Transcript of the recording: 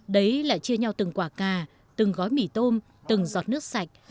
đấy lại chia nhau từng quả cà từng gói mì tôm từng giọt nước sạch